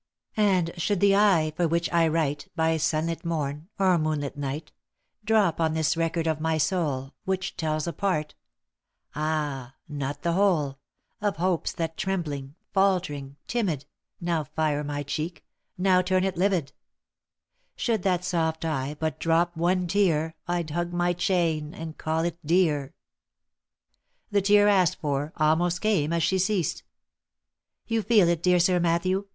" And should the eye for which I write By sun lit morn, or moon lit night, Drop on this record of my soul, Which tells a part — ah ! not the whole, Of hopes that trembling, faltering, timid, Now fire my cheek, now turn it livid, — Should that soft eye but drop one tear, I'd hug my chain, and call it dear I" The tear asked for, almost came as she ceased. " You feel it, dear Sir Matthew